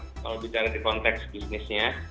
kalau bicara di konteks bisnisnya